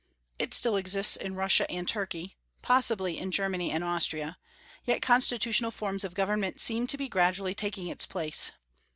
It still exists in Russia and Turkey, possibly in Germany and Austria; yet constitutional forms of government seem to be gradually taking its place.